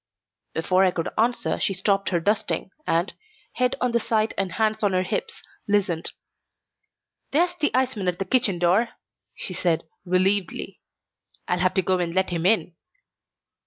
Before I could answer she stopped her dusting and, head on the side and hands on her hips, listened. "There's the iceman at the kitchen door," she said, relievedly. "I'll have to go and let him in."